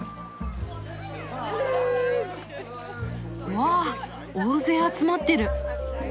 わあ大勢集まってる！